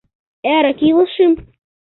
Эрык илышым?..